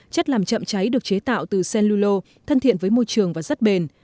chất làm chậm cháy được chế tạo từ cellulo thân thiện với môi trường và rất bền